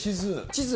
地図